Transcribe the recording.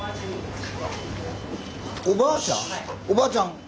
おばあちゃん？